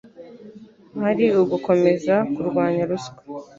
Hari ugukomeza kurwanya ruswa